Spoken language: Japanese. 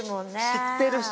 知ってるし。